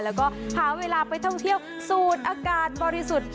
แล้วก็หาเวลาไปท่องเที่ยวสูดอากาศบริสุทธิ์